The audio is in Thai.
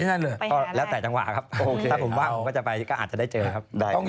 ไปที่นั่นเลยแล้วแต่จังหวะครับถ้าผมว่างก็จะไปก็อาจจะได้เจอครับได้